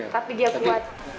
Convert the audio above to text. tapi dia kuat